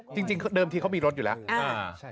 จริงเดิมทีเขามีรถอยู่แล้ว